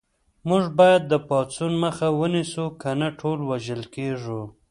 موږ باید د پاڅون مخه ونیسو کنه ټول وژل کېږو